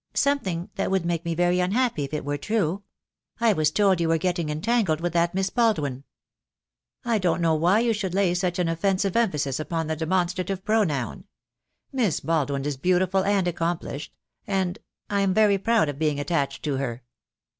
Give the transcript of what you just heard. "Something that would make me very unhappy if it were true. I was told you were getting entangled with that Miss Baldwin." "I don't know why you should lay such an offensive emphasis upon the demonstrative pronoun. Miss Baldwin is beautiful and accomplished — and — I am very proud of being attached to her."